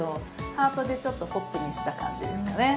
ハートでちょっとポップにした感じですかね